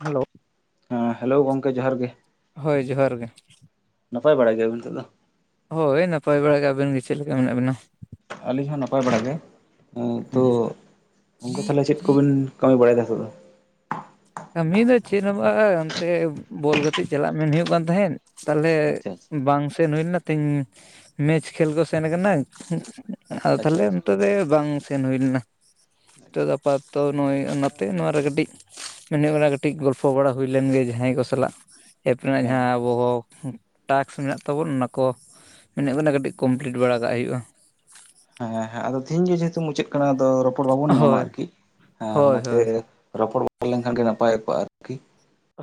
Hello ᱦᱮᱸ hello ᱜᱚᱝᱠᱮ ᱡᱚᱦᱟᱨ ᱜᱮ ᱦᱳᱭ ᱡᱚᱦᱟᱨ ᱜᱮ᱾ ᱱᱟᱯᱟᱭ ᱵᱟᱲᱟ ᱜᱮᱭᱟᱵᱤᱱ ᱱᱤᱛᱚᱜ ᱫᱚ᱾ ᱦᱚᱭ ᱱᱟᱯᱟᱭ ᱵᱟᱲᱟ ᱜᱮ ᱟᱵᱤᱱ ᱜᱮ ᱪᱮᱜ ᱞᱮᱠᱟ ᱢᱮᱱᱟᱜ ᱵᱮᱱᱟ᱾ ᱟᱹᱞᱤᱧ ᱦᱚᱸ ᱱᱟᱯᱟᱭ ᱵᱟᱲᱟ ᱜᱮ ᱛᱚ ᱚᱱᱠᱟ ᱛᱟᱦᱚᱞᱮ ᱪᱮᱫ ᱠᱚᱵᱤᱱ ᱠᱟᱹᱢᱤ ᱵᱟᱲᱟᱭ ᱫᱟ ᱤᱛᱚᱜ ᱫᱚ ᱠᱟᱹᱢᱤ ᱫᱚ ᱪᱮᱫ ᱦᱚᱸ ᱵᱟᱝᱼ ᱚᱱᱛᱮ ᱵᱚᱞ ᱜᱟᱛᱤᱜ ᱪᱟᱞᱟᱜ ᱢᱮᱱ ᱦᱩᱭᱩᱜ ᱠᱟᱱ ᱛᱟᱦᱮᱸᱫ᱾ ᱛᱟᱦᱚᱞᱮ ᱟᱪᱪᱷᱟ ᱵᱟᱝ ᱥᱮᱱ ᱦᱩᱭ ᱞᱮᱱᱟ ᱛᱮᱦᱮᱧ ᱢᱮᱪ ᱠᱷᱮᱞ ᱠᱚ ᱥᱮᱱ ᱟᱠᱟᱱᱟ᱾ ᱟᱫᱚ ᱟᱪᱪᱷᱟ ᱟᱪᱪᱷᱟ ᱛᱟᱦᱚᱞᱮ ᱟᱪᱪᱷᱟ ᱱᱤᱛᱚᱜ ᱫᱚ ᱼᱮ ᱵᱟᱝ ᱥᱮᱱ ᱦᱩᱭ ᱞᱮᱱᱟ᱾ ᱱᱤᱛᱚᱜ ᱟᱪᱪᱷᱟ ᱫᱚ ᱟᱯᱟᱛᱚ ᱱᱚᱜᱼᱚᱭ ᱚᱱᱟᱛᱮ ᱱᱚᱣᱟ ᱨᱮ ᱠᱟᱹᱴᱤᱡ ᱧᱤᱫᱟᱹ ᱵᱮᱲᱟ ᱠᱟᱹᱴᱤᱡ ᱜᱚᱞᱯᱷᱚ ᱵᱟᱲᱟ ᱦᱩᱭ ᱞᱮᱱ ᱜᱮ ᱡᱟᱦᱟᱸᱭ ᱠᱚ ᱥᱟᱞᱟᱜ ᱮᱯ ᱨᱮᱱᱟᱜ ᱦᱮᱸ ᱡᱟᱦᱟᱸ ᱟᱵᱚ ᱠᱚ ᱴᱟᱥᱠ ᱢᱮᱱᱟᱜ ᱛᱟᱵᱚᱱ ᱚᱱᱟ ᱠᱚ ᱢᱮᱱ ᱦᱩᱭᱩᱜ ᱠᱟᱱᱟ ᱠᱟᱹᱴᱤᱡ ᱠᱚᱢᱯᱞᱤᱴ ᱵᱟᱲᱟ ᱠᱟᱜ ᱦᱩᱭᱩᱜᱼᱟ᱾ ᱦᱮᱸ ᱦᱮᱸ ᱟᱫᱚ ᱛᱤᱦᱤᱧ ᱜᱤ ᱡᱮᱦᱩᱛᱩ ᱢᱩᱪᱟᱹᱫ ᱠᱟᱱᱟ ᱟᱫᱚ ᱨᱚᱯᱚᱲ ᱵᱟᱵᱚᱱ ᱧᱟᱢᱟ ᱦᱳᱭ ᱟᱨᱠᱤ᱾ ᱦᱮᱸ ᱦᱳᱭ ᱚᱱᱟᱛᱮ ᱦᱳᱭ ᱨᱚᱯᱚᱲ ᱜᱚᱫᱽ ᱞᱮᱱᱠᱷᱟᱱ ᱜᱮ ᱱᱟᱯᱟᱭ ᱠᱚᱜᱼᱟ ᱟᱨᱠᱤ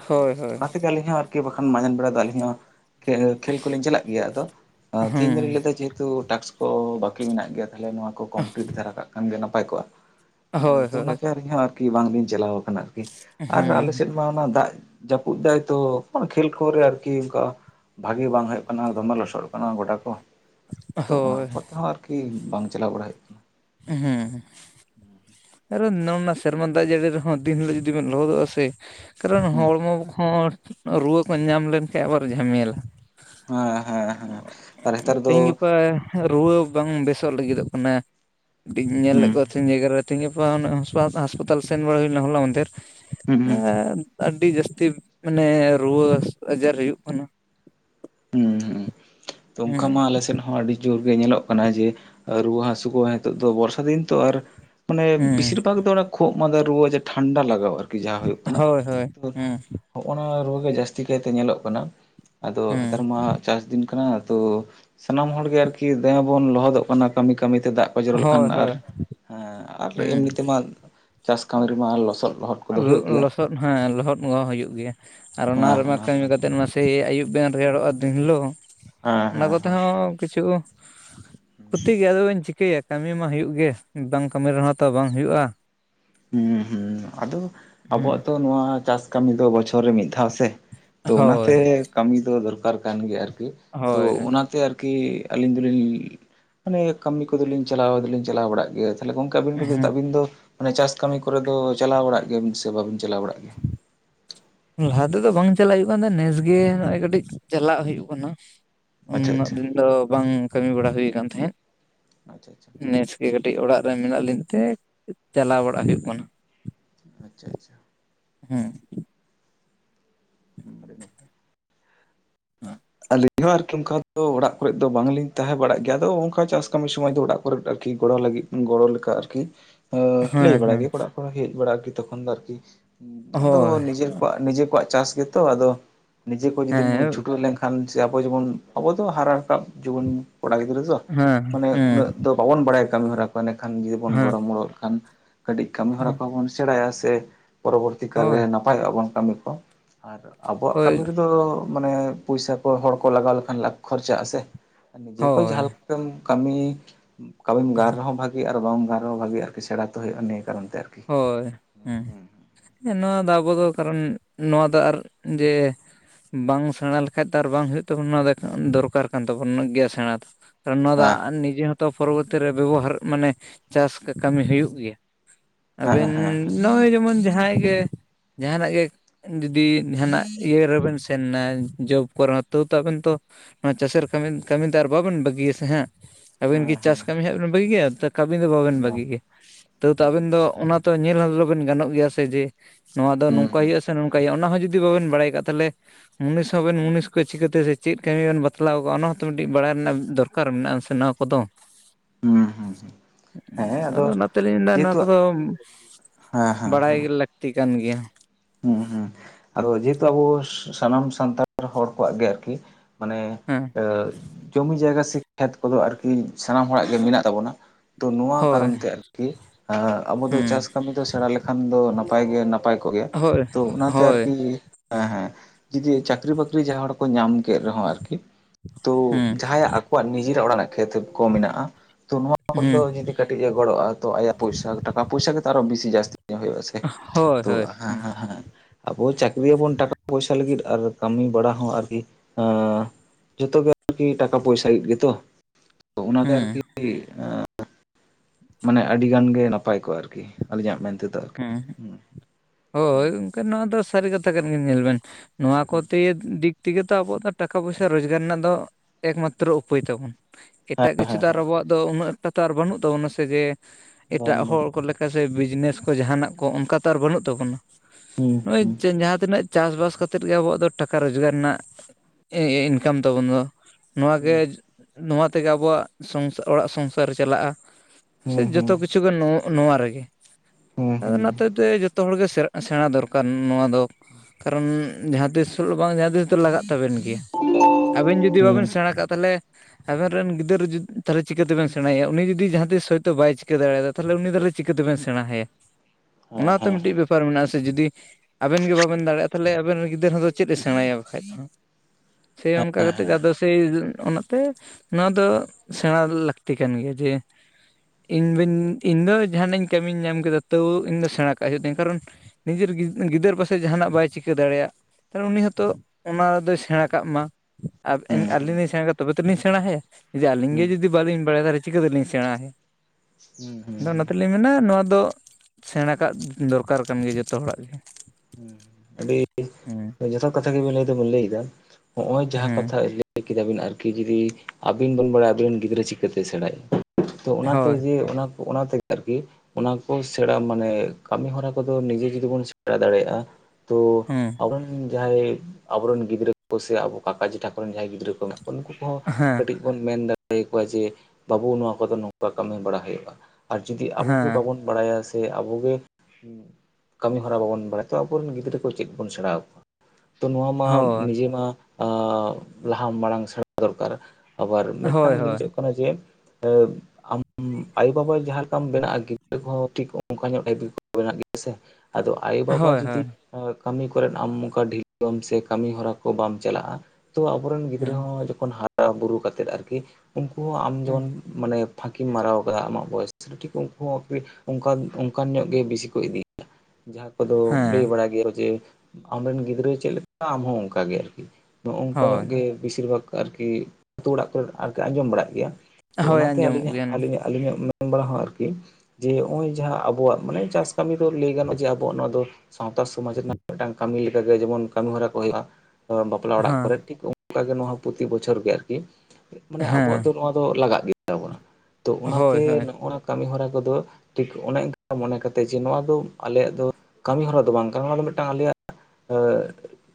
ᱦᱳᱭ ᱦᱳᱭ ᱚᱱᱟᱛᱮ ᱟᱹᱞᱤᱧ ᱟᱨᱠᱤ ᱵᱟᱠᱷᱟᱱ ᱢᱟᱡᱟᱱ ᱵᱮᱲᱟ ᱫᱚ ᱟᱹᱞᱤᱧ ᱦᱚᱸ ᱠᱷᱮᱞ ᱠᱷᱮᱞ ᱠᱚᱞᱤᱧ ᱪᱟᱞᱟᱜ ᱜᱮᱭᱟ ᱟᱫᱚ ᱛᱤᱦᱤᱧ ᱦᱩᱸ ᱫᱷᱟᱹᱨᱤᱜ ᱦᱤᱞᱚᱜ ᱫᱚ ᱡᱮᱦᱩᱛᱩ ᱴᱟᱠᱥ ᱠᱚ ᱵᱟᱠᱤ ᱢᱮᱱᱟᱜ ᱜᱮᱭᱟ ᱛᱟᱦᱚᱞᱮ ᱱᱚᱣᱟ ᱠᱚ ᱠᱚᱢᱯᱞᱤᱴ ᱫᱟᱨᱟ ᱠᱟᱜ ᱠᱷᱟᱱ ᱜᱮ ᱱᱟᱯᱟᱭ ᱠᱚᱜᱼᱟ ᱦᱳᱭ ᱟᱫᱚ ᱚᱱᱟ ᱦᱳᱭ ᱛᱮ ᱤᱧ ᱦᱚᱸ ᱟᱨᱠᱤ ᱵᱟᱝ ᱞᱤᱧ ᱪᱟᱞᱟᱣ ᱟᱠᱟᱱᱟ ᱟᱨᱠᱤ ᱟᱨ ᱟᱞᱮ ᱦᱮᱸ ᱥᱮᱫ ᱚᱱᱟ ᱚᱱᱟ ᱫᱟᱜ ᱡᱟᱹᱯᱩᱫ ᱫᱟᱭᱛᱚ ᱠᱷᱮᱞ ᱠᱚᱨᱮ ᱟᱨᱠᱤ ᱚᱱᱠᱟ ᱵᱷᱟᱜᱤ ᱵᱟᱝ ᱦᱩᱭᱩᱜ ᱠᱟᱱᱟ ᱫᱚᱢᱮ ᱞᱚᱥᱚᱫ ᱟᱠᱟᱱᱟ ᱜᱚᱰᱟ ᱠᱚ᱾ ᱛᱚ ᱚᱱᱟ ᱦᱳᱭ ᱠᱚᱛᱮᱦᱚᱸ ᱟᱨᱠᱤ ᱵᱟᱝ ᱪᱟᱞᱟᱣ ᱵᱟᱲᱟᱭ ᱦᱩᱭᱩᱜ ᱠᱟᱱᱟ [inaudible] ᱟᱨᱚ [inaudible] ᱥᱮᱨᱢᱟ ᱫᱟᱜ ᱡᱟᱹᱲᱤ ᱨᱮᱦᱚᱸ ᱫᱤᱱ ᱦᱤᱞᱳᱜ ᱡᱩᱫᱤ ᱵᱮᱱ ᱞᱚᱦᱚᱫᱚᱜᱼᱟ ᱥᱮ᱾ ᱠᱟᱨᱚᱱ ᱦᱚᱲᱢᱚ ᱦᱚᱸ ᱨᱩᱣᱟᱹ ᱠᱚ ᱧᱟᱢ ᱞᱮᱱᱠᱷᱟᱱ ᱟᱵᱟᱨ ᱡᱷᱟᱢᱮᱞᱟ᱾ ᱦᱮᱸ ᱦᱮᱸ ᱦᱮᱸ ᱦᱮᱸ ᱟᱨ ᱱᱮᱛᱟᱨ [unintelligible] ᱫᱚ ᱛᱮᱦᱮᱧ ᱜᱟᱯᱟ᱾ ᱨᱩᱣᱟᱹ ᱵᱟᱝ ᱵᱮᱥᱚᱜ ᱞᱟᱹᱜᱤᱫᱚᱜ ᱠᱟᱱᱟ᱾ [inaudible] ᱧᱮᱞ ᱦᱩᱸ ᱞᱮᱫ ᱠᱚᱣᱟ [inaudible] ᱧᱮᱞ ᱞᱮᱜ ᱠᱚᱣᱟ ᱛᱤᱦᱤᱧ ᱜᱟᱯᱟ ᱦᱟᱥᱯᱟᱛᱟᱞ ᱥᱮᱱ ᱵᱟᱲᱟ ᱦᱩᱭ ᱞᱮᱱᱟ ᱦᱚᱞᱟ ᱢᱟᱫᱷᱮᱨ᱾ ᱦᱩᱸ ᱦᱩᱸ [inaudible] ᱟᱹᱰᱤ ᱡᱟᱹᱥᱛᱤ ᱢᱟᱱᱮ ᱨᱩᱣᱟᱹ ᱟᱡᱟᱨ ᱦᱩᱭᱩᱜ ᱠᱟᱱᱟ᱾ [inaudible] [inaudible] ᱛᱚ ᱚᱱᱠᱟ ᱦᱮᱸ ᱢᱟ ᱟᱞᱮᱥᱮᱫ ᱦᱚᱸ ᱟᱹᱰᱤ ᱡᱳᱨ ᱜᱮ ᱧᱮᱞᱚᱜ ᱚᱱᱟ ᱡᱮ ᱨᱩᱣᱟᱹᱦᱟᱥᱳ ᱠᱚ ᱱᱤᱛᱚᱜ ᱫᱚ ᱵᱚᱨᱥᱟ ᱫᱤᱱ ᱛᱚ ᱟᱨ ᱢᱟᱱᱮ ᱦᱮᱸ ᱵᱮᱥᱤᱨ ᱵᱷᱟᱜ ᱫᱚ ᱚᱱᱟ᱾ ᱠᱷᱩᱜ ᱢᱟᱸᱫᱟ ᱨᱩᱣᱟᱹ ᱡᱮ ᱴᱷᱟᱱᱰᱟ ᱞᱟᱜᱟᱣ ᱟᱨᱠᱤ ᱡᱟᱦᱟᱸ ᱦᱩᱭᱩᱜ ᱠᱟᱱᱟ ᱦᱳᱭ ᱦᱳᱭ ᱛᱚ ᱦᱮᱸ ᱚᱱᱟ [inaudible] ᱨᱩᱣᱟᱹ ᱜᱮ ᱡᱟᱹᱥᱛᱤ ᱠᱟᱭᱛᱮ ᱧᱮᱞᱚᱜ ᱠᱟᱱᱟ ᱟᱫᱚ ᱦᱮᱸ ᱱᱮᱛᱟᱨ ᱪᱟᱥ ᱫᱤᱱ ᱠᱟᱱᱟ ᱛᱚ ᱥᱟᱱᱟᱢ ᱦᱚᱲ ᱜᱮ ᱟᱨᱠᱤ ᱫᱚᱢᱮ ᱵᱚᱱ ᱞᱚᱦᱚᱫᱚᱜ ᱠᱟᱱᱟ ᱠᱟᱹᱢᱤ ᱠᱟᱹᱢᱤᱛᱮ ᱫᱟᱜ ᱠᱚ ᱡᱚᱨᱚ ᱦᱳᱭ ᱞᱮᱠᱷᱟᱱ ᱟᱨ ᱦᱳᱭ [inaudible] ᱟᱨ ᱦᱮᱸ ᱮᱢᱱᱤ ᱛᱮᱢᱟ ᱪᱟᱥ ᱠᱟᱹᱢᱤ ᱨᱮᱢᱟ ᱟᱨ ᱞᱚᱥᱚᱫ ᱞᱚᱦᱚᱫ ᱠᱚᱫᱚ ᱦᱩᱭᱩᱜ ᱜᱮᱭᱟ ᱞᱚᱥᱚᱫ ᱦᱮᱸ ᱞᱚᱦᱚᱫ ᱢᱟ ᱦᱩᱭᱩᱜ ᱜᱮᱭᱟ ᱟᱨ ᱚᱱᱟ ᱦᱮᱸ ᱨᱮᱢᱟ ᱠᱟᱹᱢᱤ ᱠᱚᱜᱮ ᱠᱟᱛᱮᱫ ᱱᱚᱣᱟ ᱛᱮ ᱟᱹᱭᱩᱵ ᱵᱮᱱ ᱨᱮᱭᱟᱲᱚᱜᱼᱟ ᱫᱤᱱ ᱦᱤᱞᱳᱜ ᱦᱮᱸ ᱚᱱᱟ ᱦᱮᱸ ᱠᱚᱛᱮ ᱦᱮᱸ ᱦᱚᱸ ᱠᱤᱪᱷᱩ [inaudible] ᱜᱮ ᱟᱫᱚ ᱵᱤᱱ ᱪᱤᱠᱟᱹᱭᱟ ᱠᱟᱹᱢᱤ ᱢᱟ ᱦᱩᱭᱩᱜ ᱜᱮ ᱵᱟᱝ ᱠᱟᱹᱢᱤ ᱨᱮᱦᱚᱸ ᱛᱚ ᱵᱟᱝ ᱦᱩᱭᱩᱜᱼᱟ᱾ ᱦᱩᱸ ᱦᱩᱸ ᱟᱫᱚ ᱦᱩᱸ ᱟᱵᱚᱣᱟᱜ ᱛᱚ ᱱᱚᱣᱟ ᱪᱟᱥ ᱠᱟᱹᱢᱤ ᱫᱚ ᱵᱚᱪᱷᱚᱨ ᱨᱮ ᱢᱤᱫ ᱫᱷᱟᱣ ᱥᱮ ᱛᱚ ᱦᱳᱭ ᱚᱱᱟᱛᱮ ᱠᱟᱹᱢᱤ ᱫᱚ ᱫᱚᱨᱠᱟᱨ ᱠᱟᱱ ᱜᱮᱭᱟ ᱟᱨᱠᱤ ᱛᱚ ᱦᱳᱭ ᱚᱱᱟᱛᱮ ᱟᱨᱠᱤ ᱟᱹᱞᱤᱧ ᱫᱚᱞᱤᱧ ᱢᱟᱱᱮ ᱠᱟᱹᱢᱤ ᱠᱚᱫᱚᱞᱤᱧ ᱪᱟᱞᱟᱣ ᱫᱚᱞᱤᱧ ᱪᱟᱞᱟᱣ ᱵᱟᱲᱟᱜ ᱜᱮᱭᱟ ᱛᱟᱦᱚᱞᱮ ᱛᱚ ᱟᱹᱵᱤᱱ ᱦᱮᱸ [unintelligible] ᱟᱵᱤᱱ ᱫᱚ ᱢᱟᱱᱮ ᱪᱟᱥ ᱠᱟᱹᱢᱤ ᱠᱚᱨᱮ ᱫᱚ ᱪᱟᱞᱟᱣ ᱵᱟᱲᱟᱜ ᱜᱮᱭᱟᱵᱤᱱ ᱥᱮ ᱵᱟᱵᱤᱱ ᱪᱟᱞᱟᱣ ᱵᱟᱲᱟᱜ ᱜᱮᱭᱟ᱾ ᱞᱟᱦᱟ ᱛᱮᱫᱚ ᱵᱟᱝ ᱪᱟᱞᱟᱜ ᱦᱩᱭᱩᱜ ᱠᱟᱱ ᱛᱟᱦᱮᱸ ᱱᱮᱥ ᱜᱮ ᱱᱚᱜᱚᱭ ᱠᱟᱹᱴᱤᱡ ᱪᱟᱞᱟᱜ ᱦᱩᱭᱩᱜ ᱠᱟᱱᱟ᱾ ᱟᱪᱪᱷᱟ ᱩᱱᱟᱹᱜ ᱟᱪᱪᱷᱟ ᱫᱤᱱ ᱫᱚ ᱵᱟᱝ ᱠᱟᱹᱢᱤ ᱵᱟᱲᱟ ᱦᱩᱭ ᱠᱟᱱ ᱛᱟᱦᱮᱸᱫ ᱟᱪᱪᱷᱟ ᱟᱪᱪᱷᱟ ᱱᱮᱥ ᱦᱟᱯᱮ ᱠᱟᱹᱴᱤᱡ ᱚᱲᱟᱜ ᱨᱮ ᱢᱮᱱᱟᱜ ᱞᱤᱧ ᱛᱮ ᱪᱟᱞᱟᱣ ᱵᱟᱲᱟᱜ ᱦᱩᱭᱩᱜ ᱠᱟᱱᱟ᱾ ᱟᱪᱪᱷᱟ, ᱟᱪᱪᱷᱟ᱾ ᱦᱩᱸ᱾ ᱦᱩᱸ ᱟᱹᱰᱤ ᱱᱟᱯᱟᱭ᱾ ᱟᱹᱞᱤᱧ ᱦᱚᱸ ᱟᱨᱠᱤ ᱚᱱᱠᱟ ᱫᱚ ᱚᱲᱟᱜ ᱠᱚᱨᱮᱫ ᱫᱚ ᱵᱟᱝ ᱞᱤᱧ ᱛᱟᱦᱮᱸ ᱵᱟᱲᱟᱜ ᱜᱮᱭᱟ᱾ᱟᱫᱚ ᱚᱱᱠᱟ ᱪᱟᱥ ᱠᱟᱹᱢᱤ ᱥᱚᱢᱚᱭ ᱫᱚ ᱚᱲᱟᱜ ᱠᱚᱨᱮ ᱟᱨᱠᱤ ᱜᱚᱲᱚ ᱞᱟᱹᱜᱤᱫ ᱜᱚᱲᱚ ᱞᱮᱠᱟ ᱟᱨᱠᱤ ᱦᱮᱸ ᱞᱟᱹᱭ ᱵᱟᱲᱟ ᱦᱮᱸ ᱜᱮ ᱚᱲᱟᱜ ᱠᱚ ᱦᱮᱡ ᱵᱟᱲᱟ ᱜᱮ ᱛᱚᱠᱷᱚᱱ ᱫᱚ ᱟᱨᱠᱤ᱾ ᱟᱫᱚ ᱦᱳᱭ ᱱᱤᱡᱮᱨ ᱠᱚ ᱱᱤᱡᱮ ᱠᱚᱣᱟᱜ ᱪᱟᱥ ᱜᱮᱛᱚ ᱟᱫᱚ ᱱᱤᱡᱮ ᱠᱚ ᱡᱩᱫᱤᱢ ᱦᱮᱸ ᱪᱷᱩᱴᱟᱹᱣ ᱞᱮᱱ ᱠᱷᱟᱱ ᱡᱮ ᱟᱵᱚ ᱡᱮᱢᱚᱱ ᱟᱵᱚ ᱫᱚ ᱦᱟᱨᱟ ᱨᱟᱠᱟᱵ ᱡᱩᱣᱟᱹᱱ ᱠᱚᱲᱟ ᱜᱤᱫᱽᱨᱟᱹ ᱫᱚ ᱦᱮᱸ ᱢᱟᱱᱮ ᱦᱮᱸ ᱩᱱᱟᱹᱜ ᱫᱚ ᱵᱟᱵᱚᱱ ᱵᱟᱲᱟᱭᱟ ᱠᱟᱹᱢᱤ ᱦᱚᱨᱟ ᱠᱚ ᱮᱸᱰᱮᱠᱷᱟᱱ ᱡᱩᱫᱤ ᱵᱚᱱ ᱜᱚᱲᱚ ᱦᱮᱸ ᱢᱚᱲᱚᱜ ᱠᱷᱟᱱ ᱠᱟᱹᱴᱤᱡ ᱠᱟᱹᱢᱤ ᱦᱚᱨᱟ ᱠᱚ ᱦᱚᱸ ᱵᱚᱱ ᱥᱮᱲᱟᱭᱟ ᱥᱮ ᱯᱚᱨᱚᱵᱚᱨᱛᱤ ᱠᱟᱞ ᱦᱳᱭ ᱨᱮ ᱱᱟᱯᱟᱭᱚᱜ-ᱟ ᱵᱚᱱ ᱠᱟᱹᱢᱤ ᱠᱚ᱾ ᱟᱵᱚᱣᱟᱜ ᱠᱟᱹᱢᱤ ᱦᱳᱭ ᱨᱮᱫᱚ ᱢᱟᱱᱮ ᱯᱚᱭᱥᱟ ᱠᱚ ᱦᱚᱲ ᱠᱚ ᱞᱟᱜᱟᱣ ᱞᱮᱠᱷᱟᱱ ᱞᱟᱠ ᱠᱷᱚᱨᱪᱟᱜ-ᱟ ᱥᱮ᱾ ᱱᱤᱡᱮ ᱠᱚ ᱡᱟᱦᱟ ᱦᱳᱭ ᱞᱮᱠᱟᱢ ᱠᱟᱹᱢᱤ, ᱠᱟᱹᱢᱤᱢ ᱜᱟᱱ ᱨᱮᱦᱚᱸ ᱵᱷᱟᱜᱤ ᱟᱨ ᱵᱟᱢ ᱜᱟᱱ ᱵᱷᱟᱜᱤ ᱟᱨᱠᱤ ᱥᱮᱰᱟ ᱛᱚ ᱦᱳᱭᱳᱜ-ᱟ ᱱᱤᱭᱟᱹ ᱠᱟᱨᱚᱱ ᱛᱮ ᱟᱨᱠᱤ᱾ ᱦᱳᱭ ᱦᱮᱸ ᱫᱚ ᱟᱵᱚ ᱫᱚ ᱠᱟᱨᱚᱱ ᱱᱚᱣᱟ ᱫᱚ ᱟᱨ ᱡᱮ ᱵᱟᱝ ᱥᱮᱲᱟ ᱞᱮᱠᱷᱟᱡ ᱛᱟᱨ ᱵᱟᱝ ᱦᱩᱭᱩᱜ ᱛᱟᱵᱚᱱᱟ ᱫᱚ ᱫᱚᱨᱠᱟᱨ ᱠᱟᱱ ᱛᱟᱵᱚᱱᱟ ᱜᱮᱭᱟ ᱥᱮᱲᱟ ᱫᱚ᱾ ᱱᱚᱣᱟ ᱦᱮᱸ ᱫᱚ ᱱᱤᱡᱮ ᱦᱚᱸ ᱛᱚ ᱯᱚᱨᱚᱵᱚᱨᱛᱤ ᱨᱮ ᱵᱮᱵᱚᱦᱟᱨ ᱢᱟᱱᱮ ᱪᱟᱥ ᱠᱟᱹᱢᱤ ᱦᱩᱭᱩᱜ ᱜᱮᱭᱟ᱾ ᱦᱮᱸ ᱦᱮᱸ ᱟᱵᱮᱱ ᱦᱮᱸ ᱦᱮᱸ ᱱᱚᱸᱜ-ᱚᱭ ᱡᱮᱢᱚᱱ ᱡᱟᱦᱟᱭ ᱜᱮ ᱡᱟᱦᱟᱱᱟᱜ ᱜᱮ᱾ ᱡᱩᱫᱤ ᱡᱟᱦᱱᱟᱜ ᱤᱭᱟᱹ ᱨᱮᱵᱮᱱ ᱥᱮᱱ ᱱᱟ ᱡᱚᱵ ᱠᱚᱨᱮ ᱦᱚᱸ ᱛᱟ. ᱣ ᱛᱚ ᱟᱵᱮᱱ ᱛᱚ ᱱᱚᱣᱟ ᱪᱟᱥᱮᱨ ᱠᱟᱹᱢᱤ ᱠᱟᱹᱢᱤ ᱫᱚ ᱟᱨ ᱵᱟᱵᱮᱱ ᱵᱟᱹᱜᱤᱭᱟ ᱥᱮ ᱦᱟᱸᱜ᱾ ᱟᱵᱤᱱ ᱠᱤ ᱦᱮᱸ ᱦᱮᱸ ᱪᱟᱥ ᱠᱟᱹᱢᱤ ᱦᱟᱸᱜ ᱵᱤᱱ ᱵᱟᱹᱜᱤ ᱜᱮᱭᱟ᱾ ᱠᱟᱹᱢᱤ ᱫᱚ ᱵᱟᱵᱤᱱ ᱵᱟᱝ ᱵᱟᱹᱜᱤ ᱜᱮᱭᱟ ᱵᱟᱝ ᱛᱟ. ᱣ ᱛᱚ ᱟᱵᱮᱱ ᱫᱚ᱾ ᱚᱱᱟ ᱛᱚ ᱧᱮᱞ ᱦᱚᱸ ᱵᱟᱵᱮᱱ ᱜᱟᱱᱚᱜ ᱜᱮᱭᱟ ᱥᱮ ᱡᱮ ᱱᱚᱣᱟ ᱫᱚ ᱦᱩᱸ ᱱᱚᱝᱠᱟ ᱦᱩᱸ ᱦᱩᱭᱩᱜ-ᱟ᱾ ᱱᱚᱝᱠᱟᱭ ᱦᱩᱭᱩᱜ-ᱟ ᱚᱱᱟ ᱦᱚᱸ ᱡᱩᱫᱤ ᱵᱟᱵᱮᱱ ᱵᱟᱲᱟᱭ ᱠᱟᱜ-ᱟ ᱛᱟᱞᱦᱮ᱾ ᱢᱩᱱᱤᱥ ᱦᱚᱸ ᱟᱵᱮᱱ ᱢᱩᱱᱤᱥ ᱠᱚ ᱪᱤᱠᱟᱹ ᱛᱮ ᱥᱮ ᱪᱮᱫ ᱠᱟᱹᱢᱤ ᱵᱮᱱ ᱵᱟᱛᱞᱟᱣ ᱠᱚᱜ-ᱟ ᱚᱱᱟ ᱦᱚᱸ ᱛᱚ ᱢᱤᱫᱴᱤᱡ ᱵᱟᱲᱟᱭ ᱨᱮᱱᱟᱜ ᱫᱚᱨ ᱠᱟᱨ ᱢᱮᱱᱟᱜ-ᱟ ᱥᱮ ᱱᱚᱣᱟ ᱠᱚᱫᱚ᱾ ᱦᱩᱸ ᱦᱩᱸ ᱟᱫᱚ ᱚᱱᱟ ᱛᱮᱞᱤᱧ ᱢᱮᱱᱫᱟ ᱱᱚᱣᱟ ᱡᱮᱦᱮᱛᱩ ᱠᱚᱫᱚ ᱦᱮᱸ ᱵᱟᱲᱟᱭ ᱜᱮ ᱞᱟᱹᱠᱛᱤ ᱠᱟᱱ ᱜᱮᱭᱟ ᱾ ᱦᱮᱸ, ᱦᱮᱸ ᱟᱫᱚ ᱡᱮᱦᱮᱛᱩ ᱟᱵᱚ ᱥᱟᱱᱟᱢ ᱥᱟᱱᱛᱟᱲ ᱦᱚᱲ ᱠᱚᱣᱟᱜ ᱜᱮ ᱟᱨᱠᱤ ᱢᱟᱱᱮ ᱦᱮᱸ ᱡᱚᱢᱤ ᱡᱟᱭᱜᱟ ᱥᱮ ᱠᱷᱮᱛ ᱠᱚᱫᱚ ᱟᱨᱠᱤ ᱥᱟᱱᱟᱢ ᱦᱚᱲᱟᱜ ᱜᱮ ᱢᱮᱱᱟᱜ ᱛᱟᱵᱚᱱᱟ᱾ ᱛᱚ ᱱᱚᱣᱟ ᱦᱳᱭ ᱠᱟᱨᱚᱱ ᱛᱮ ᱟᱨᱠᱤ ᱟᱵᱚ ᱫᱚ ᱪᱟᱥ ᱦᱩᱸ ᱠᱟᱹᱢᱤ ᱫᱚ ᱥᱮᱲᱟ ᱞᱮᱠᱷᱟᱱ ᱫᱚ ᱱᱟᱯᱟᱭ ᱜᱮ ᱱᱟᱯ ᱯᱟᱭ ᱠᱚᱜ ᱜᱮᱭᱟ᱾ ᱦᱳᱭ ᱛᱚ ᱚᱱᱟ ᱛᱮ ᱦᱳᱭ ᱟᱨᱠᱤ ᱦᱮᱸ, ᱦᱮᱸ ᱡᱩᱫᱤ ᱪᱟᱹᱠᱨᱤ ᱵᱟᱹᱠᱨᱤ ᱡᱟᱦᱟᱭ ᱦᱚᱲ ᱠᱚ ᱧᱟᱢ ᱠᱮᱫ ᱨᱮᱦᱚᱸ ᱟᱨᱠᱤ᱾ ᱛᱚ ᱦᱩᱸ ᱡᱟᱦᱟᱭ ᱟᱜ ᱟᱠᱚᱣᱟᱜ ᱱᱤᱡᱮᱨᱟᱜ ᱚᱲᱟᱜ ᱨᱮᱱᱟᱜ ᱠᱷᱮᱛ ᱠᱚ ᱢᱮᱱᱟᱜ-ᱟ᱾ ᱛᱚ ᱱᱚᱣᱟ ᱠᱚᱨᱮ ᱫᱚ ᱦᱩᱸ ᱡᱩᱫᱤ ᱠᱟᱹᱴᱤᱡ ᱮ ᱜᱚᱲᱚᱜ-ᱟ ᱛᱚ ᱟᱭᱟᱜ ᱯᱚᱭᱥᱟᱹ ᱴᱟᱠᱟ ᱯᱚᱭᱥᱟᱹ ᱜᱮ ᱛᱚ ᱟᱨᱚ ᱵᱤᱥᱤ ᱡᱟᱹᱥᱛᱤ ᱧᱚᱜ ᱦᱳᱭᱳᱜ-ᱟ ᱥᱮ ᱦᱳᱭ ᱛᱚ ᱦᱳᱭ ᱦᱮᱸ ᱦᱩᱸ ᱦᱮᱸ᱾ ᱦᱮᱸ ᱟᱵᱚ ᱪᱟᱹᱠᱨᱤᱭᱟ ᱵᱚᱱ ᱴᱟᱠᱟ ᱯᱚᱭᱥᱟ ᱞᱟᱹᱜᱤᱫ ᱟᱨ ᱠᱟᱹᱢᱤ ᱵᱟᱲᱟ ᱦᱚᱸ ᱟᱨᱠᱤ ᱡᱚᱛᱚ ᱜᱮ ᱟᱨᱠᱤ ᱴᱟᱠᱟ ᱯᱚᱭᱥᱟᱭ ᱞᱟᱜᱤᱡ ᱜᱮᱛᱚ ᱚᱱᱟ ᱜᱮ ᱦᱩᱸ ᱟᱨᱠᱤ ᱢᱟᱱᱮ ᱟᱹᱰᱤ ᱜᱟᱱ ᱜᱮ ᱱᱟᱯᱟᱭ ᱠᱚᱜ-ᱟ ᱟᱨᱠᱤ ᱟᱹᱞᱤᱧᱟᱜ ᱢᱮᱱ ᱛᱮᱫᱚ᱾ ᱦᱮᱸ ᱟᱨᱠᱤ ᱦᱩᱸ ᱦᱳᱭ ᱦᱩᱸ ᱜᱚᱝᱠᱮ ᱱᱚᱣᱟ ᱫᱚ ᱥᱟᱹᱨᱤ ᱠᱟᱛᱷᱟ ᱠᱟᱱ ᱜᱮ ᱧᱮᱞ ᱵᱮᱱ ᱱᱚᱣᱟ ᱠᱚ ᱦᱩᱸ ᱛᱮ ᱫᱤᱠ ᱫᱤᱭᱮ ᱛᱮᱜᱮ ᱛᱚ ᱟᱵᱚ ᱫᱚ ᱴᱟᱠᱟ ᱯᱚᱭᱥᱟᱹ ᱨᱚᱡᱽᱠᱟᱨ ᱨᱮᱱᱟᱜ ᱫᱚ ᱮᱠᱢᱟᱛᱨᱚ ᱩᱯᱟᱹᱭ ᱛᱟᱵᱚᱱ᱾ ᱮᱴᱟᱜ ᱠᱤᱪᱷᱩ ᱫᱚ ᱟᱨ ᱟᱵᱚᱣᱟᱜ ᱫᱚ ᱩᱱᱟᱹᱜ ᱮᱠᱴᱟ ᱛᱚ ᱵᱟᱹᱱᱩᱜ ᱛᱟᱵᱚᱱᱟ ᱥᱮ ᱡᱮ ᱮᱴᱟᱜ ᱵᱟᱝ ᱵᱟᱝ ᱦᱚᱲ ᱠᱚ ᱞᱮᱠᱟ ᱥᱮ ᱵᱤᱡᱽᱱᱮᱥ ᱠᱚ ᱡᱟᱦᱟ ᱱᱟᱜ ᱠᱚ ᱚᱱᱠᱟ ᱛᱚ ᱟᱨ ᱵᱟᱹᱱᱩᱜ ᱛᱟᱵᱚᱱᱟ᱾ ᱦᱩᱸ᱾ ᱱᱚᱸᱜ-ᱚᱭ ᱡᱟᱦᱟ ᱛᱤᱱᱟᱹᱜ ᱪᱟᱥ ᱵᱟᱥ ᱠᱟᱛᱮᱜ ᱜᱮ ᱟᱵᱚᱣᱟᱜ ᱫᱚ ᱴᱟᱠᱟ ᱨᱳᱡᱽᱠᱟᱨ ᱨᱮᱱᱟᱜ ᱤᱱᱠᱟᱢ ᱛᱟᱵᱚᱱ ᱫᱚ᱾ ᱱᱚᱣᱟ ᱜᱮ ᱦᱩᱸ ᱱᱚᱣᱟ ᱛᱮᱜᱮ ᱟᱵᱚᱣᱟᱜ ᱥᱚᱝ ᱚᱲᱟᱜ ᱥᱚᱝᱥᱟᱨ ᱪᱟᱞᱟᱜ-ᱟ᱾ ᱥᱮ ᱦᱩᱸ ᱡᱚᱛᱚ ᱦᱩᱸ ᱠᱤᱪᱷᱩ ᱜᱮ ᱱᱚ ᱱᱚᱣᱟ ᱨᱮᱜᱮ᱾ ᱦᱩᱸ ᱦᱩᱸ ᱟᱫᱚ ᱚᱱᱟ ᱦᱩᱸ ᱦᱚᱛᱮᱛᱮ ᱡᱚᱛᱚ ᱦᱚᱲᱜᱮ ᱥᱮᱬᱟ ᱫᱚᱨᱠᱟᱨ ᱱᱚᱣᱟ ᱫᱚ ᱠᱟᱨᱚᱱ ᱡᱟᱦᱟᱸ ᱛᱤᱥ ᱦᱤᱞᱚᱜ ᱵᱟᱝ ᱡᱟᱦᱟᱸ ᱛᱤᱥ ᱫᱚ ᱞᱟᱜᱟᱜ ᱛᱟᱵᱮᱱ ᱜᱮᱭᱟ- ᱟᱵᱤᱱ ᱡᱩᱫᱤ ᱦᱮᱸ ᱵᱟᱵᱤᱱ ᱦᱮᱸ ᱥᱮᱬᱟ ᱠᱟᱜᱼᱟ ᱛᱟᱦᱚᱞᱮ ᱟᱵᱮᱱ ᱨᱮᱱ ᱜᱤᱫᱟᱹᱨ ᱡᱚ ᱛᱚᱦᱞᱮ ᱪᱤᱠᱟᱹᱛᱮᱵᱮᱱ ᱥᱮᱬᱟᱭᱟᱭᱟ ᱩᱱᱤ ᱡᱩᱫᱤ ᱡᱟᱦᱟᱸ ᱛᱤᱥ ᱦᱚᱭᱛᱚ ᱵᱟᱭ ᱪᱤᱠᱟᱹ ᱫᱟᱲᱮᱭᱟᱫᱟ᱾ ᱛᱟᱦᱚᱞᱮ ᱩᱱᱤ ᱛᱚᱦᱞᱮ ᱪᱤᱠᱟᱹᱛᱮᱵᱮᱱ ᱥᱮᱬᱟ ᱟᱭᱟ? ᱦᱩᱸ ᱚᱱᱟᱛᱮ ᱢᱤᱫᱴᱤᱡ ᱵᱮᱯᱟᱨ ᱵᱮᱯᱟᱨ ᱢᱮᱱᱟᱜᱼᱟ ᱥᱮ, ᱡᱩᱫᱤ ᱟᱵᱮᱱ ᱜᱮ ᱵᱟᱵᱮᱱ ᱫᱟᱲᱮᱭᱟᱜ ᱛᱟᱦᱚᱞᱮ ᱟᱵᱮᱱ ᱨᱮᱱ ᱜᱤᱫᱟᱹᱨ ᱦᱚᱸᱫᱚ ᱪᱮᱫ ᱮ ᱥᱮᱬᱟᱭᱟ ᱵᱟᱠᱷᱟᱡ ᱫᱚ- ᱥᱮ ᱚᱱᱠᱟ ᱠᱟᱛᱮ ᱜᱮᱫᱚ ᱥᱮᱭ ᱚᱱᱟ ᱛᱮ ᱫᱚ ᱱᱚᱶᱟ ᱫᱚ ᱥᱮᱬᱟ ᱠᱟᱱ ᱜᱮᱭᱟ ᱡᱮ ᱤᱧᱫᱚ ᱤᱧᱫᱚ ᱡᱟᱦᱟᱱᱟᱜ ᱤᱧ ᱠᱟᱹᱢᱤᱧ ᱧᱟᱢ ᱠᱮᱫᱟ ᱛᱟᱹᱣ ᱤᱧ ᱫᱚ ᱥᱮᱬᱟ ᱠᱟᱜ ᱦᱩᱭᱩᱜ ᱛᱤᱧᱟᱹ ᱠᱟᱨᱚᱱ ᱱᱤᱡᱮᱨ ᱜᱤᱫᱟᱹᱨ ᱯᱟᱥᱮᱡ ᱡᱟᱦᱟᱱᱟᱜ ᱵᱟᱭ ᱪᱤᱠᱟᱹ ᱫᱟᱲᱮᱭᱟᱜ᱾ ᱛᱟᱦᱚᱞᱮ ᱩᱱᱤ ᱦᱚᱛᱚ ᱚᱱᱟ ᱫᱚᱭ ᱥᱮᱬᱟ ᱠᱟᱜ ᱢᱟ᱾ ᱟᱨ ᱟᱹᱞᱤᱧ ᱞᱤᱧ ᱥᱮᱬᱟ ᱠᱟᱫᱟ ᱛᱚᱵᱮ ᱛᱞᱤᱧ ᱥᱮᱬᱟ ᱟᱭᱟ᱾ ᱡᱩᱫᱤ ᱟᱹᱞᱤᱧ ᱜᱮ ᱡᱩᱫᱤ ᱵᱟᱹᱞᱤᱧ ᱵᱟᱲᱟᱭᱟ ᱛᱟᱦᱚᱞᱮ ᱪᱤᱠᱟᱹ ᱛᱮᱞᱤᱧ ᱥᱮᱬᱟᱭ? ᱦᱩᱸ ᱦᱩᱸ ᱦᱩᱸ ᱟᱫᱚ ᱚᱱᱟᱛᱮᱞᱤᱧ ᱢᱟᱱᱮ ᱱᱚᱣᱟ ᱫᱚ ᱥᱮᱬᱟ ᱠᱟᱜ ᱫᱚᱨᱠᱟᱨ ᱠᱟᱱ ᱜᱮᱭᱟ ᱡᱚᱛᱚ ᱦᱚᱲᱟᱜ ᱜᱮ- ᱦᱩᱸ ᱟᱹᱰᱤ ᱦᱩᱸ ᱡᱚᱛᱷᱟᱛ ᱠᱟᱛᱷᱟ ᱜᱮᱵᱤᱱ ᱞᱟᱹᱭ ᱫᱚᱵᱚᱱ ᱞᱟᱹᱭᱫᱟ ᱱᱚᱜᱼᱚᱭ ᱡᱟᱦᱟᱸ ᱠᱟᱛᱷᱟ ᱦᱩᱸ ᱞᱟᱹᱭ ᱞᱟᱹᱭ ᱠᱮᱫᱟᱵᱤᱱ ᱟᱨᱠᱤ ᱡᱩᱫᱤ ᱟᱹᱵᱤᱱ ᱵᱚᱱ ᱵᱟᱲᱟᱭᱟ ᱟᱵᱤᱱ ᱨᱮᱱ ᱜᱤᱫᱽᱨᱟᱹ ᱪᱤᱠᱟᱹᱛᱮ ᱥᱮᱬᱟᱭᱟ᱾ ᱛᱚ ᱚᱱᱟᱛᱮ ᱦᱳᱭ ᱡᱮ ᱚᱱᱟ ᱚᱱᱟ ᱛᱮᱜᱮ ᱟᱨᱠᱤ ᱚᱱᱟ ᱠᱚ ᱥᱮᱬᱟ ᱢᱟᱱᱮ ᱠᱟᱹᱢᱤ ᱦᱚᱨᱟ ᱠᱚᱫᱚ ᱱᱤᱡᱮ ᱡᱩᱫᱤ ᱵᱚᱱ ᱥᱮᱬᱟ ᱫᱟᱲᱮᱭᱟᱜᱼᱟ᱾ ᱛᱳ ᱦᱩᱸ ᱟᱵᱚᱨᱮᱱ ᱡᱟᱦᱟᱸᱭ ᱟᱵᱚᱨᱮᱱ ᱜᱤᱫᱽᱨᱟᱹ ᱠᱚ ᱥᱮ ᱟᱵᱚ ᱠᱟᱠᱟ ᱡᱮᱴᱷᱟ ᱠᱚᱨᱮᱱ ᱡᱟᱦᱟᱸᱭ ᱜᱤᱫᱽᱨᱟᱹ ᱠᱚ ᱢᱮᱱᱟᱜ ᱩᱱᱠᱩ ᱩᱱ ᱦᱮᱸ ᱠᱟᱹᱴᱤᱡ ᱵᱚᱱ ᱢᱮᱱ ᱫᱟᱲᱮᱭᱟᱠᱚᱣᱟ ᱡᱮ ᱵᱟᱹᱵᱩ ᱱᱚᱣᱟ ᱠᱚᱫᱚ ᱱᱚᱝᱠᱟ ᱠᱟᱹᱢᱤ ᱵᱟᱲᱟ ᱦᱩᱭᱩᱜᱼᱟ᱾ ᱟᱨ ᱡᱩᱫᱤ ᱟᱵᱚ ᱜᱮ ᱦᱮᱸ ᱵᱟᱵᱚᱱ ᱵᱟᱲᱟᱭᱟ ᱥᱮ ᱟᱵᱚᱜᱮ ᱠᱟᱹᱢᱤ ᱦᱚᱨᱟ ᱵᱟᱵᱚᱱ ᱵᱟᱲᱟᱭᱟ ᱛᱚ ᱟᱵᱚᱨᱮᱱ ᱜᱤᱫᱽᱨᱟᱹ ᱪᱮᱫ ᱵᱚᱱ ᱥᱮᱬᱟᱣᱟᱠᱚᱣᱟ᱾ ᱛᱚ ᱱᱚᱣᱟ ᱢᱟ ᱦᱳᱭ ᱱᱤᱡᱮ ᱢᱟ ᱟᱜ ᱞᱟᱦᱟ ᱢᱟᱲᱟᱝ ᱥᱮᱬᱟ ᱫᱚᱨᱠᱟᱨ᱾ ᱟᱵᱟᱨ ᱦᱳᱭ ᱢᱤᱫᱴᱟᱝ ᱡᱤᱱᱤᱥ ᱦᱳᱭ ᱦᱩᱭᱩᱜ ᱠᱟᱱᱟ ᱡᱮ [unintelligible] ᱟᱢ ᱟᱭᱳ ᱵᱟᱵᱟ ᱡᱟᱦᱟᱸ ᱞᱮᱠᱟᱢ ᱵᱮᱱᱟᱜᱼᱟ ᱜᱤᱫᱽᱨᱟᱹ ᱠᱚᱦᱚᱸ ᱴᱷᱤᱠ ᱚᱱᱠᱟ ᱧᱚᱜ ᱴᱟᱭᱤᱯ ᱜᱮᱠᱚ ᱵᱮᱱᱟᱜ ᱜᱮᱭᱟ ᱥᱮ- ᱟᱫᱚ ᱟᱭᱳᱵᱟᱵᱟ ᱦᱳᱭ ᱦᱳᱭ ᱡᱚᱫᱤ ᱠᱟᱹᱢᱤ ᱠᱚᱨᱮᱱ ᱟᱢ ᱚᱱᱠᱟ ᱰᱷᱮᱨᱚ ᱟᱢ ᱥᱮ ᱠᱟᱹᱢᱤ ᱦᱚᱨᱟ ᱠᱚ ᱵᱟᱢ ᱪᱟᱞᱟᱜᱼᱟ ᱛᱚ ᱟᱵᱚᱨᱮᱱ ᱜᱤᱫᱽᱨᱟᱹ ᱦᱩᱸ ᱦᱚᱸ ᱡᱚᱠᱷᱚᱱ ᱦᱟᱨᱟ ᱵᱩᱨᱩ ᱠᱟᱛᱮᱜ ᱟᱨᱠᱤ ᱩᱱᱠᱩ ᱦᱚᱸ ᱟᱢ ᱡᱮᱢᱚᱱ ᱦᱩᱸ ᱢᱟᱱᱮ ᱯᱷᱟᱸᱠᱤᱢ ᱢᱟᱨᱟᱣ ᱠᱟᱫᱟ ᱟᱢᱟᱜ ᱵᱚᱭᱮᱥ- ᱯᱷᱮᱥᱤᱞᱤᱴᱤ ᱩᱱᱠᱩ ᱦᱚᱸ ᱚᱱᱠᱟᱱ ᱧᱚᱜ ᱜᱮ ᱵᱤᱥᱤ ᱠᱚ ᱤᱫᱤᱭᱤᱭᱟ ᱠᱚᱫᱚ ᱞᱟᱹᱭ ᱦᱮᱸ ᱵᱟᱲᱟᱭ ᱜᱮᱭᱟ ᱡᱮ ᱟᱢᱨᱮᱱ ᱜᱤᱫᱽᱨᱟᱹ ᱪᱮᱫ ᱞᱮᱠᱟ ᱟᱢᱦᱚᱸ ᱚᱱᱠᱟᱜᱮ ᱟᱨᱠᱤ ᱱᱚᱝᱠᱟ ᱧᱚᱜ ᱦᱳᱭ ᱜᱮ ᱦᱳᱭ ᱵᱮᱥᱤᱨ ᱵᱷᱟᱜ ᱟᱨᱠᱤ ᱟᱹᱛᱩ ᱚᱲᱟᱜ ᱠᱚᱨᱮ ᱟᱨᱠ ᱟᱸᱡᱚᱢ ᱵᱟᱲᱟᱜ ᱜᱮᱭᱟ᱾ ᱛᱚ ᱦᱳᱭ ᱚᱱᱟᱛᱮ ᱟᱸᱡᱚᱢᱚᱜ ᱟᱹᱞᱤᱧᱟᱜ ᱜᱮᱭᱟ ᱱᱚᱣᱟ ᱟᱹᱞᱤᱧᱟᱜ ᱢᱮᱱ ᱵᱟᱲᱟ ᱦᱚᱸ ᱟᱨᱠᱤ ᱡᱮ ᱱᱚᱜᱼᱚᱭ ᱡᱟᱦᱟᱸ ᱟᱵᱚᱣᱟᱜ ᱢᱟᱱᱮ ᱪᱟᱥ ᱠᱟᱹᱢᱤ ᱫᱚ ᱞᱟᱹᱭ ᱜᱟᱱᱚᱜᱼᱟ ᱡᱮ ᱟᱵᱚᱣᱟᱜ ᱱᱚᱣᱟ ᱫᱚ ᱥᱟᱶ ᱥᱟᱱᱛᱟᱲ ᱥᱚᱢᱟᱡᱽ ᱨᱮᱱᱟᱜ ᱢᱤᱫᱴᱟᱝ ᱠᱟᱹᱢᱤ ᱞᱮᱠᱟᱜᱮ ᱡᱮᱢᱚᱱ ᱠᱟᱹᱢᱤ ᱦᱚᱨᱟ ᱠᱚ ᱦᱩᱭᱩᱜᱼᱟ ᱵᱟᱯᱞᱟ ᱚᱲᱟᱜ ᱦᱮᱸ ᱠᱚᱨᱮ ᱴᱷᱤᱠ ᱚᱱᱠᱟᱜᱮ ᱱᱚᱣᱟ ᱯᱨᱚᱛᱤ ᱵᱚᱪᱷᱚᱨ ᱜᱮ ᱟᱨᱠᱤ ᱢᱟᱱᱮ ᱟᱵᱚᱣᱟᱜ ᱦᱮᱸ ᱫᱚ ᱱᱚᱣᱟ ᱫᱚ ᱞᱟᱜᱟᱜ ᱜᱮᱛᱟᱵᱚᱱᱟ᱾ ᱛᱚ ᱦᱳᱭ ᱚᱱᱟᱛᱮ ᱦᱳᱭ ᱱᱚᱜᱟᱱ ᱠᱚ ᱠᱟᱹᱢᱤ ᱦᱚᱨᱟ ᱠᱚᱫᱚ ᱴᱷᱤᱠ ᱚᱱᱮ ᱠᱟ ᱢᱚᱱᱮ ᱠᱟᱛᱮ ᱡᱮ ᱱᱚᱣᱟ ᱫᱚ ᱟᱞᱮᱭᱟᱜ ᱫᱚ ᱠᱟᱹᱢᱤ ᱦᱚᱨᱟ ᱫᱚ ᱵᱟᱝ ᱚᱱᱟ ᱫᱚ ᱢᱤᱫᱴᱟᱝ ᱟᱞᱮᱭᱟᱜ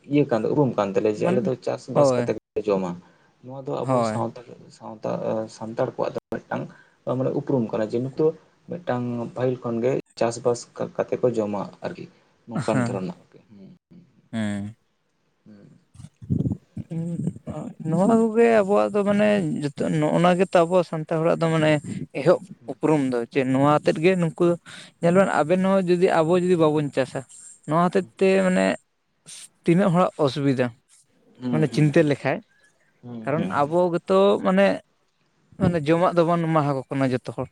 ᱤᱭᱟᱹ ᱠᱟᱱ ᱫᱚ ᱩᱨᱩᱢ ᱠᱟᱱ ᱛᱟᱞᱮᱭᱟ ᱡᱮ ᱟᱞᱮ ᱢᱟᱱᱮ ᱫᱚ ᱪᱟᱥᱵᱟᱥ ᱦᱳᱭ ᱠᱟᱛᱮ- ᱡᱚᱢᱟ ᱱᱚᱣᱟ ᱫᱚ ᱟᱵᱚ ᱦᱳᱭ ᱥᱟᱶ ᱥᱟᱶᱛᱟ ᱥᱟᱱᱛᱟᱲ ᱠᱚᱣᱟᱜ ᱫᱚ ᱢᱤᱫᱴᱟᱝ ᱢᱟᱱᱮ ᱩᱯᱨᱩᱢ ᱠᱟᱱᱟ ᱡᱮ ᱱᱤᱛᱚᱜ- ᱢᱤᱫᱴᱟᱝ ᱯᱟᱹᱦᱤᱞ ᱠᱷᱚᱱᱜᱮ ᱪᱟᱥᱵᱟᱥ ᱠᱟᱛᱮᱮᱫ ᱠᱚ ᱡᱚᱢᱟ ᱟᱨᱠᱤ ᱱᱚᱝᱠᱟᱱ ᱫᱷᱚᱨᱚᱱᱟᱜ᱾ ᱠᱟᱹᱦ [unintelligible] ᱦᱮᱸ, ᱦᱮᱸ [unintelligible] [inaudible] [inaudible] ᱧᱩᱸᱟᱸᱱᱚᱣᱟ ᱠᱚᱜᱮ ᱟᱵᱚᱣᱟᱜ ᱫᱚ, ᱢᱟᱱᱮ ᱡᱚᱛᱚ ᱱᱚᱜᱼᱚᱱᱟ, ᱜᱮᱛᱟᱵᱩ ᱥᱟᱱᱛᱟᱲ ᱦᱚᱲᱟᱜ ᱫᱚ, ᱢᱟᱱᱮ ᱮᱦᱚᱵ ᱩᱯᱩᱨᱩᱢ ᱫᱚᱭ᱾ ᱪᱮᱫ ᱱᱚᱣᱟ ᱟᱛᱮᱫ ᱜᱮ, ᱱᱩᱠᱩ ᱧᱮᱞᱵᱱ ᱟᱵᱮᱱ ᱱᱚᱣᱟ ᱡᱩᱫᱤ, ᱟᱵᱚ ᱡᱩᱫᱤ ᱵᱟᱵᱚᱱ ᱪᱟᱥᱟ᱾ ᱱᱚᱣᱟ ᱦᱚᱛᱮᱫ ᱛᱮ ᱢᱟᱱᱮ, ᱛᱤᱱᱟᱹᱜ ᱦᱚᱲᱟᱜ ᱚᱥᱩᱵᱤᱫᱷᱟ᱾ ᱦᱩᱸ ᱢᱟᱱᱮ ᱦᱩᱸ ᱪᱤᱱᱛᱟᱹ ᱞᱮᱠᱷᱟᱡ᱾ ᱦᱩᱸ ᱠᱟᱨᱚᱱ ᱦᱩᱸ ᱦᱩᱸ ᱟᱵᱚ ᱜᱮᱛᱚ, ᱢᱟᱱᱮ ᱢᱟᱱᱮ ᱡᱚᱢᱟᱜ ᱫᱚᱵᱚᱱ ᱮᱢᱟ ᱟᱠᱠᱚ ᱠᱟᱱᱟ, ᱡᱚᱛᱚ ᱦᱚᱲ᱾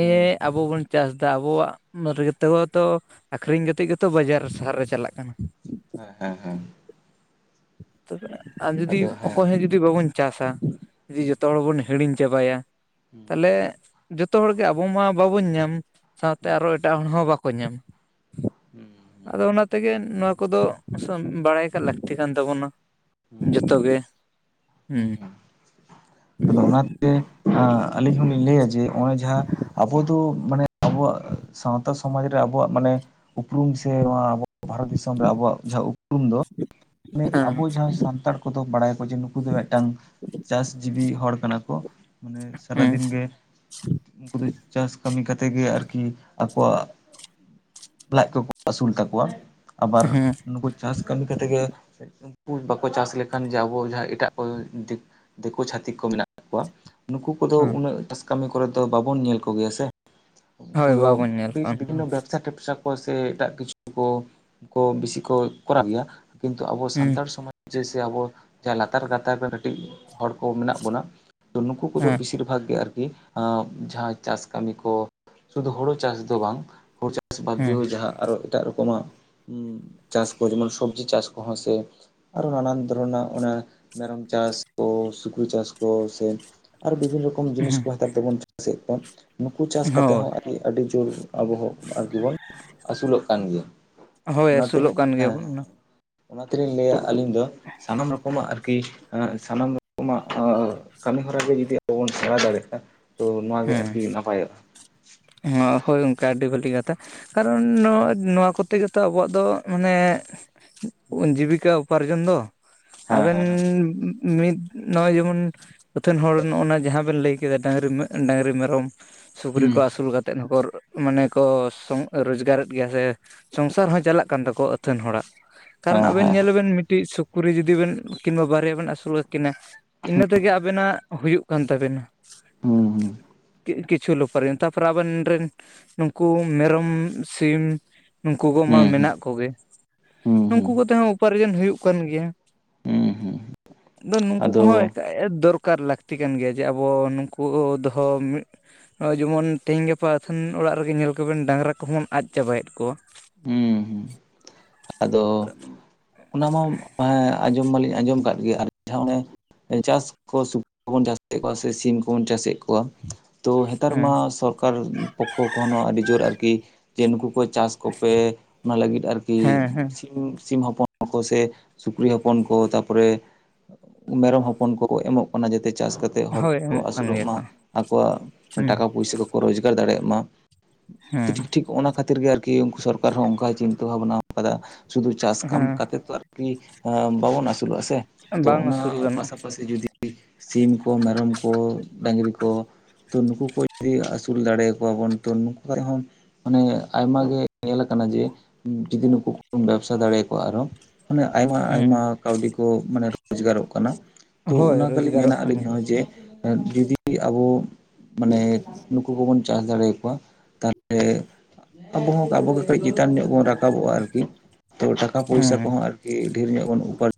ᱦᱩᱸ ᱟᱵᱚ ᱵᱚᱱ ᱪᱟᱥᱫᱟ, ᱟᱵᱚᱣᱟᱜ-ᱟ ᱨᱮᱜᱮᱛᱮ ᱛᱚ ᱟᱠᱷᱨᱤᱧ ᱠᱟᱛᱮᱫ ᱜᱮᱛᱚ, ᱵᱟᱡᱟᱨ ᱥᱟᱦᱟᱨ ᱨᱮ ᱪᱟᱞᱟᱜ ᱠᱟᱱᱟ᱾ ᱦᱮᱸ, ᱦᱮᱸ, ᱦᱮᱸ᱾ ᱟᱨ ᱡᱩᱫᱤ ᱟᱫᱚ ᱦᱮᱸ ᱚᱠᱚᱭ ᱦᱚᱸ ᱡᱩᱫᱤ ᱵᱟᱵᱚᱱ ᱪᱟᱥᱟ, ᱡᱚᱛᱚ ᱦᱚᱲ ᱵᱚᱱ ᱦᱤᱲᱤᱧ ᱪᱟᱵᱟᱭᱟ᱾ ᱛᱮ ᱦᱮᱸ [inaudible] [inaudible] ᱡᱚᱛᱚ ᱦᱚᱲᱜᱮ ᱟᱵᱚ ᱢᱟ ᱵᱟᱵᱚᱱ ᱧᱟᱢ, ᱥᱟᱶᱛᱮ ᱦᱩᱸ ᱟᱨ ᱦᱚᱸ ᱮᱴᱟᱜ ᱦᱚᱲ ᱦᱚᱸ ᱵᱟᱠᱚ ᱧᱟᱢᱟ᱾ ᱦᱩᱸ [inaudible] ᱟᱫᱚ ᱚᱱᱟ ᱛᱮᱜᱮ ᱱᱚᱣᱟ ᱠᱚᱫᱚ, ᱵᱟᱲᱟᱭ ᱠᱟᱜ ᱞᱟᱹᱠᱛᱤ ᱠᱟᱱ ᱛᱟᱵᱚᱱᱟ᱾ ᱦᱩᱸ ᱦᱩᱸ ᱡᱚᱛᱚ ᱜᱮ ᱦᱩᱸ᱾ ᱟᱫᱚ ᱚᱱᱟᱛᱮ ᱟᱹᱞᱤᱧ ᱦᱚᱸᱞᱤᱧ ᱞᱟᱹᱭᱟ ᱡᱮ, ᱱᱚᱜᱼᱚᱭ ᱡᱟᱦᱟᱸ ᱟᱵᱚ ᱫᱚ, ᱢᱟᱱᱮ ᱟᱵᱚᱣᱟᱜ ᱥᱟᱶᱛᱟ ᱥᱚᱢᱟᱡᱽ ᱨᱮ, ᱟᱵᱚᱣᱟᱜ ᱢᱟᱱᱮ ᱩᱯᱨᱩᱢ ᱥᱮ, ᱱᱚᱣᱟ ᱟᱵᱚ ᱵᱷᱟᱨᱚᱛ ᱫᱤᱥᱚᱢ ᱨᱮ, ᱟᱵᱚᱣᱟᱜ ᱡᱟᱦᱟᱸ ᱩᱯᱨᱩᱢ ᱫᱚ, ᱱᱮ ᱟᱵᱚ ᱦᱮᱸ ᱡᱟᱦᱟᱸ ᱥᱟᱱᱛᱟᱲ‌ ᱠᱩᱫᱚ ᱵᱟᱲᱟᱭᱟᱠᱚ ᱡᱮ, ᱱᱩᱠᱩ ᱫᱚ ᱢᱤᱫᱴᱟᱝ ᱪᱟᱥ ᱡᱤᱵᱤ ᱦᱚᱲ ᱠᱟᱱᱟ ᱠᱚ᱾ ᱢᱟᱱᱮ ᱦᱮᱸ ᱥᱟᱨᱟᱫᱤᱱ ᱜᱮ, ᱩᱱᱠᱩ ᱫᱚ ᱪᱟᱥ ᱠᱟᱹᱢᱤ ᱠᱟᱛᱮ ᱜᱮ ᱟᱨᱠᱤ, ᱟᱠᱚᱣᱟᱜ ᱞᱟᱡ ᱠᱚᱠᱚ ᱟᱹᱥᱩᱞ ᱛᱟᱠᱚᱣᱟ, ᱟᱵᱟᱨ ᱦᱮᱸ ᱱᱩᱠᱩ ᱪᱟᱥ ᱠᱟᱹᱢᱤ ᱠᱟᱛᱮ ᱜᱮ, ᱩᱱᱠᱩ ᱵᱟ ᱠᱚ ᱪᱟᱥ ᱞᱮᱠᱷᱟᱱ ᱡᱮ ᱟᱵᱚ ᱡᱟᱦᱟᱸ, ᱮᱴᱟᱜ ᱠᱚ, ᱫᱮᱠᱳ ᱪᱷᱟᱹᱛᱤᱠ ᱠᱚ ᱢᱮᱱᱟᱜ ᱠᱚᱣᱟ ᱱᱩᱠᱩ ᱠᱚᱫᱚ ᱦᱮᱸ ᱩᱱᱟᱹᱜ ᱪᱟᱥ ᱠᱟᱹᱢᱤ ᱠᱚᱨᱮ ᱫᱚ, ᱵᱟᱵᱚᱱ ᱧᱮᱞ ᱠᱚᱜᱮᱭᱟ ᱥᱮ᱾ ᱦᱳᱭ ᱯᱩᱨᱟᱹ ᱵᱟᱵᱚᱱ ᱧᱮᱞ ᱠᱚᱣᱟ ᱩᱱᱠᱩ ᱫᱚ᱾ ᱵᱤᱵᱷᱤᱱᱱᱚ ᱵᱮᱵᱽᱥᱟ ᱴᱮᱵᱽᱥᱟ ᱠᱚ ᱥᱮ ᱮᱴᱟᱜ ᱠᱤᱪᱷᱩ ᱠᱚ ᱠᱚ ᱵᱤᱥᱤ ᱠᱚ, ᱠᱚᱨᱟᱣ ᱜᱮᱭᱟ ᱠᱤᱱᱛᱩ ᱟᱵᱚ ᱦᱮᱸ ᱥᱟᱱᱛᱟᱲ ᱡᱮᱥᱮ ᱟᱵᱚ ᱡᱟᱦᱟᱸᱭ ᱞᱟᱛᱟᱨ ᱜᱟᱛᱟᱠ ᱨᱮᱱ ᱠᱟᱹᱴᱤᱡ ᱦᱚᱲ ᱠᱚ, ᱢᱮᱱᱟᱜ ᱵᱚᱱᱟ ᱛᱚ ᱱᱩᱠᱩ ᱠᱚᱫᱚ ᱦᱮᱸ ᱵᱤᱥᱤᱨ ᱵᱷᱟᱜ ᱜᱮ ᱟᱨᱠᱤ ᱡᱟᱦᱟᱸ ᱪᱟᱥ ᱠᱟᱹᱢᱤ ᱠᱚ, ᱥᱩᱫᱩ ᱦᱳᱲᱳ ᱪᱟᱥ ᱫᱚ ᱵᱟᱝ ᱦᱩᱲᱩ ᱪᱟᱥ ᱵᱟᱫᱽ ᱦᱮᱸ ᱫᱤᱭᱦᱮ ᱡᱟᱦᱟᱸ ᱟᱨᱚ ᱮᱴᱟᱜ, ᱨᱚᱠᱚᱢᱟᱜ ᱪᱟᱥ ᱠᱚ ᱡᱮᱢᱚᱱ ᱥᱚᱵᱽᱡᱤ ᱪᱟᱥ ᱠᱚᱦᱚᱸ ᱥᱮ ᱟᱨᱚ ᱱᱟᱱᱟᱱ ᱫᱷᱚᱨᱚᱱᱟᱜ ᱚᱱᱟ, ᱢᱮᱨᱚᱢ ᱪᱟᱥ ᱠᱚ ᱥᱩᱠᱨᱤ ᱪᱟᱥ ᱠᱚ, ᱥᱮ ᱟᱨ ᱵᱤᱵᱤᱱ ᱵᱤᱵᱷᱤᱱᱚ ᱨᱚᱠᱚᱢ ᱡᱤᱱᱤᱥ ᱠᱚ ᱦᱮᱸ ᱦᱟᱛᱣ ᱠᱟᱛᱮᱵᱚᱱ ᱪᱟᱥᱮᱫ ᱠᱚᱣᱟ, ᱱᱩᱠᱩ ᱪᱟᱥ ᱠᱟᱛᱮ ᱦᱳᱭ ᱦᱚᱸ ᱟᱹᱰᱤ ᱡᱳᱨ ᱟᱵᱚ ᱦᱚᱸ ᱟᱨᱠᱤᱵᱚᱱ ᱟᱹᱥᱩᱞᱚᱜ ᱠᱟᱱ ᱜᱮᱭᱟ, ᱦᱳᱭ ᱟᱹᱥᱩᱞᱚᱜ ᱚᱱᱟᱛᱮᱞᱤᱧ ᱠᱟᱱ ᱦᱮᱸ ᱜᱮᱭᱟᱵᱚᱱ ᱚᱱᱟ ᱦᱮᱸ᱾ ᱚᱱᱟ ᱛᱮᱞᱤᱧ ᱞᱟᱹᱭᱟ ᱟᱹᱞᱤᱧ ᱫᱚ, ᱥᱟᱱᱟᱢ ᱨᱚᱠᱚᱢᱟᱜ ᱟᱨᱠᱤ ᱥᱟᱱᱟᱢ ᱨᱚᱠᱚᱢᱟᱜ ᱠᱟᱹᱢᱤ ᱦᱚᱨᱟ ᱜᱮ, ᱵᱚᱱ ᱥᱮᱬᱟ ᱫᱟᱲᱮᱜᱼᱟ᱾ ᱛᱚ ᱱᱚᱣᱟ ᱜᱮ ᱦᱮᱸ ᱟᱨᱠᱤ ᱱᱟᱯᱟᱭᱚᱜᱼᱟ᱾ ᱦᱳᱭ ᱚᱝᱠᱟ ᱟᱹᱰᱤ ᱵᱷᱟᱹᱞᱤ ᱠᱟᱛᱷᱟ᱾ ᱠᱟᱨᱚᱱ ᱱᱚᱣᱟ ᱠᱚᱛᱮ ᱜᱮᱛᱚ, ᱟᱵᱚᱣᱟᱜ ᱫᱚ ᱢᱟᱱᱮ ᱡᱤᱵᱤᱠᱟ ᱩᱯᱟᱨᱡᱚᱱ ᱫᱚ᱾ ᱦᱮᱸ ᱟᱵᱮᱱ ᱦᱮᱸ ᱦᱮᱸ ᱢᱤᱫ ᱱᱚᱜᱼᱚᱭ ᱡᱮᱢᱚᱱ ᱯᱚᱛᱷᱮᱱ ᱦᱚᱲ ᱱᱚᱜᱼᱚᱭ ᱱᱚᱣᱟ ᱡᱟᱦᱟᱸ ᱵᱮᱱ ᱞᱟᱹᱭ ᱠᱮᱫᱟ ᱰᱟᱝᱨᱤ, ᱰᱟᱹᱟᱝᱨᱤ ᱢᱮᱨᱚᱢ ᱥᱩᱠᱨᱤ ᱦᱩᱸ ᱠᱚ ᱟᱹᱥᱩᱞ ᱠᱟᱛᱮᱫ ᱛᱮᱫ ᱦᱚᱸᱠᱚ, ᱢᱟᱱᱮ ᱠᱚ ᱨᱳᱡᱽᱜᱟᱨᱮᱫ ᱜᱮᱭᱟ ᱥᱮ᱾ ᱥᱚᱝᱥᱟᱨ ᱦᱚᱸ ᱪᱟᱞᱟᱜ ᱠᱟᱱ ᱛᱟᱠᱚᱣᱟ, ᱟᱹᱛᱷᱟᱹᱱ ᱦᱚᱲᱟᱜ᱾ ᱠᱟᱨᱚᱱ ᱟᱵᱮᱱ ᱧᱮᱞᱵᱮᱱ ᱢᱤᱫᱴᱤᱡ ᱥᱩᱠᱨᱤ ᱡᱩᱫᱤ ᱵᱮᱱ ᱠᱤᱢᱵᱟ ᱵᱟᱨᱭᱟ ᱵᱮᱱ ᱟᱹᱥᱩᱞ ᱠᱤᱱᱟ ᱤᱱᱟᱹ ᱛᱮᱜᱮ ᱟᱵᱮᱱᱟᱜ ᱦᱩᱭᱩᱜ ᱠᱟᱱ ᱛᱟᱵᱮᱱᱟ ᱾ [unintelligible] ᱠᱤᱪᱷᱩ [inaudible] ᱛᱟᱯᱚᱨᱮ ᱟᱵᱮᱱ ᱨᱮᱱ ᱱᱩᱠᱩ ᱢᱮᱨᱚᱢ ᱥᱤᱢ ᱱᱩᱠᱩ ᱠᱚᱢᱟ ᱦᱮᱸ ᱦᱮᱸ ᱢᱮᱱᱟᱜ ᱠᱚᱜᱮ ᱦᱩᱸ ᱦᱩᱸ ᱦᱩᱸ ᱦᱩᱸ ᱦᱩᱸ ᱱᱩᱠᱩ ᱠᱚᱛᱮ ᱦᱚᱸ ᱩᱯᱟᱨᱡᱚᱱ ᱦᱩᱭᱩᱜ ᱠᱟᱱ ᱜᱮᱭᱟ ᱦᱩᱸ ᱦᱩᱸ ᱦᱩᱸ ᱟᱫᱚ ᱱᱩᱠᱩ ᱠᱚᱦᱚᱸ ᱮ ᱫᱚᱨᱠᱟᱨ ᱩᱯᱠᱟᱨ ᱞᱟᱹᱠᱛᱤ ᱠᱟᱱ ᱜᱮᱭᱟ ᱡᱮ ᱟᱵᱚ ᱱᱩᱠᱩ ᱫᱚᱦᱚ ᱢᱤᱫ ᱱᱚᱜᱼᱚᱭ ᱡᱮᱢᱚᱱ ᱛᱮᱦᱮᱧ ᱜᱟᱯᱟ ᱟᱛᱷᱟᱹᱱ ᱚᱲᱟᱜ ᱨᱮᱜᱮ ᱧᱮᱞ ᱠᱚᱵᱮᱱ ᱰᱟᱝᱨᱟ ᱠᱚᱦᱚᱸ ᱵᱚᱱ ᱟᱫ ᱪᱟᱵᱟᱭᱮᱫ ᱠᱚᱣᱟ᱾ ᱦᱩᱸ ᱦᱩᱸ ᱟᱫᱚ ᱚᱱᱟᱢᱟ ᱦᱮᱸ ᱟᱸᱡᱚᱢ ᱢᱟᱞᱤᱧ ᱟᱸᱡᱚᱢ ᱟᱠᱟᱫ ᱜᱮ, ᱟᱨ ᱡᱟᱦᱟᱸ ᱚᱱᱮ ᱪᱟᱥ ᱠᱚ ᱥᱩᱠᱨᱤ ᱠᱚᱵᱚᱱ ᱪᱟᱥᱮᱫ ᱠᱚᱣᱟ ᱥᱮ ᱥᱤᱢ ᱠᱚᱵᱚᱱ ᱪᱟᱥᱮᱫ ᱠᱚᱣᱟ ᱛᱚ ᱱᱮᱛᱟᱨ ᱦᱮᱸ ᱢᱟ ᱥᱚᱨᱠᱟᱨ ᱯᱚᱠᱠᱷᱚ ᱠᱚ ᱦᱚᱸ ᱟᱹᱰᱤ ᱡᱳᱨ ᱟᱨᱠᱤ ᱡᱮ ᱱᱩᱠᱩ ᱠᱚ ᱪᱟᱥ ᱠᱚᱯᱮ ᱚᱱᱟ ᱞᱟᱹᱜᱤᱫ ᱟᱨᱠᱤ ᱦᱮᱸ ᱦᱮᱸ ᱥᱤ ᱥᱤᱢ ᱦᱚᱯᱚᱱ ᱠᱚ ᱥᱮ ᱥᱩᱠᱨᱤ ᱦᱚᱯᱚᱱ ᱠᱚ ᱛᱟᱯᱚᱨᱮ ᱢᱮᱨᱚᱢ ᱦᱚᱯᱚᱱ ᱠᱚᱠᱚ ᱮᱢᱚᱜ ᱠᱟᱱᱟ ᱡᱟᱛᱮ ᱪᱟᱥ ᱠᱟᱛᱮ ᱛᱮ ᱦᱚᱲ ᱦᱳᱭ ᱠᱚ ᱮᱢᱚᱜ ᱠᱟᱱ ᱟᱹᱥᱩᱞᱚᱜ ᱜᱮᱭᱟ ᱠᱚ ᱢᱟ ᱟᱠᱚᱣᱟᱜ ᱦᱮᱸ ᱴᱟᱠᱟ ᱯᱚᱭᱥᱟᱹ ᱠᱚᱠᱚ ᱨᱳᱡᱽᱜᱟᱨ ᱫᱟᱲᱮᱭᱟᱜ ᱢᱟ ᱾ ᱦᱮᱸ ᱴᱷᱤᱠ ᱚᱱᱟ ᱠᱷᱟᱹᱛᱤᱨ ᱜᱮ ᱟᱨᱠᱤ ᱩᱱᱠᱩ ᱥᱚᱨᱠᱟᱨ ᱦᱚᱸ ᱚᱱᱠᱟᱭ ᱪᱤᱱᱛᱟᱹ ᱵᱷᱟᱵᱱᱟ ᱠᱟᱫᱟ᱾ ᱥᱩᱫᱷᱩ ᱪᱟᱥ ᱠᱟᱢ ᱠᱟᱛᱮ ᱛᱚ ᱟᱨ ᱠᱤ ᱵᱟᱵᱚᱱ ᱟᱹᱥᱩᱞᱚᱜᱼᱟ ᱥᱮ ᱦᱮᱸ ᱛᱚ ᱵᱟᱝ ᱚᱱᱟ ᱟᱹᱥᱩᱞ ᱜᱟᱱᱚᱜᱼᱟ ᱯᱟᱥᱟᱯᱟᱥᱤ ᱡᱩᱫᱤ ᱥᱤᱢ ᱠᱚ ᱢᱮᱨᱚᱢ ᱠᱚ ᱰᱟᱝᱨᱤ ᱠᱚ ᱛᱚ ᱱᱩᱠᱩ ᱠᱚ ᱡᱚᱫᱤ ᱟᱹᱥᱩᱞ ᱫᱟᱲᱮᱭ ᱟᱠᱚᱣᱟ ᱵᱚᱱ ᱛᱚ ᱱᱩᱠᱩ ᱠᱷᱚᱡ ᱦᱚᱸ ᱢᱟᱱᱮ ᱟᱭᱢᱟ ᱜᱮ ᱧᱮᱞᱟ ᱟᱠᱟᱱᱟ ᱡᱮ ᱡᱫᱤ ᱱᱩ ᱩᱱᱠᱩᱢ ᱵᱮᱵᱥᱟ ᱫᱟᱲᱮᱭ ᱟᱠᱚᱣᱟ ᱟᱨᱦᱚᱸ ᱢᱟᱱᱮ ᱟᱭᱢᱟ ᱦᱮᱸ ᱟᱭᱢᱟ ᱠᱟᱹᱣᱰᱤ ᱠᱚ ᱢᱟᱱᱮ ᱨᱚᱡᱽᱜᱟᱨᱚᱜ ᱠᱟᱱᱟ ᱛᱚ ᱦᱳᱭ ᱚᱱᱟ ᱠᱷᱟᱹᱞᱤᱧ ᱢᱮ ᱨᱳᱡᱽᱜᱟᱨᱚᱜ ᱠᱟᱱ ᱟᱹᱞᱤᱧ ᱜᱮᱭᱟ ᱦᱚᱸ ᱡᱮ ᱡᱩᱫᱤ ᱟᱵᱚ ᱢᱟᱱᱮ ᱱᱩᱠᱩ ᱠᱚᱵᱚᱱ ᱪᱟᱥ ᱫᱟᱲᱮ ᱟᱠᱚᱣᱟ ᱛᱟᱦᱚᱞᱮ ᱟᱵᱚ ᱦᱚᱸ ᱟᱵᱚᱜᱮ ᱠᱟᱹᱪ ᱪᱮᱛᱟᱱ ᱧᱚᱜ ᱵᱚᱱ ᱨᱟᱠᱟᱵ ᱨᱟᱠᱟᱵᱚᱜᱼᱟ ᱟᱨᱠᱤ ᱛᱚ ᱴᱟᱠᱟ ᱦᱮᱸ ᱯᱚᱭᱥᱟ ᱠᱚᱦᱚᱸ ᱟᱨᱠᱤ ᱰᱷᱮᱨ ᱧᱚᱜ ᱵᱚᱱ ᱩᱯᱟᱨ